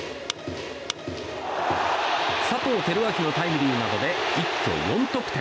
佐藤輝明のタイムリーなどで一挙４得点。